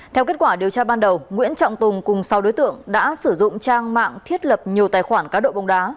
theo kết quả điều tra ban đầu nguyễn trọng tùng cùng sáu đối tượng đã sử dụng trang mạng thiết lập nhiều tài khoản cá độ bóng đá